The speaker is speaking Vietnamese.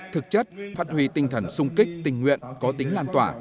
thực chất phát huy tinh thần sung kích tình nguyện có tính lan tỏa